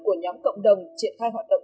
của nhóm cộng đồng triển thai hoạt động